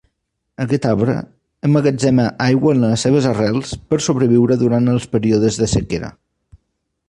Aquest arbre emmagatzema aigua en les seves arrels per sobreviure durant els períodes de sequera.